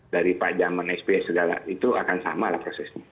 dari pak jaman sp segala itu akan sama lah prosesnya